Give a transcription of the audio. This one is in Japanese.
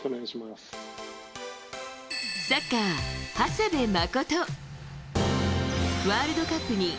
サッカー、長谷部誠。